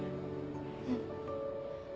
うん。